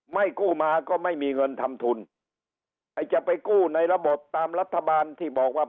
กู้มาก็ไม่มีเงินทำทุนไอ้จะไปกู้ในระบบตามรัฐบาลที่บอกว่า